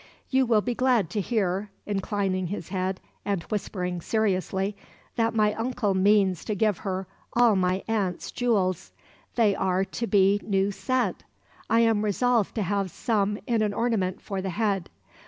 You will be glad to hear (inclining his head, and whispering seriously) that my uncle means to give her all my aunt's jewels. They are to be new set. I am resolved to have some in an ornament for the head.